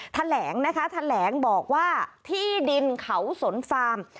แถลงนะคะแถลงบอกว่าที่ดินเขาสนฟาร์ม